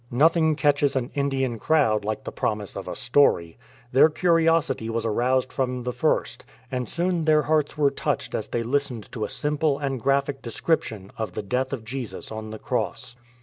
Nothing catches an Indian crowd like the promise of a story. Their curiosity was aroused from the first, and soon their hearts were touched as they listened to a simple and graphic description of the death of Jesus on the cross.